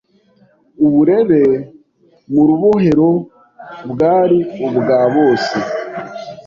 uburere mu Rubohero bwari ubwa bose